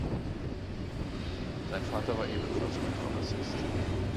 Sein Vater war ebenfalls Kontrabassist.